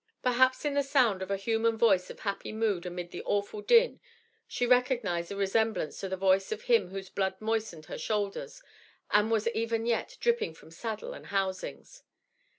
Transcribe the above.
"Perhaps in the sound of a human voice of happy mood amid the awful din she recognized a resemblance to the voice of him whose blood moistened her shoulders and was even yet dripping from saddle and housings.